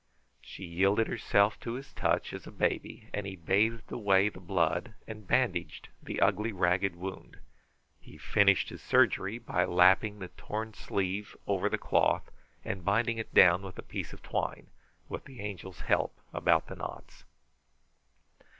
She yielded herself to his touch as a baby, and he bathed away the blood and bandaged the ugly, ragged wound. He finished his surgery by lapping the torn sleeve over the cloth and binding it down with a piece of twine, with the Angel's help about the knots.